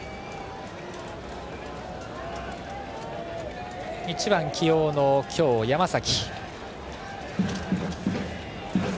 バッターは今日、１番起用の山崎。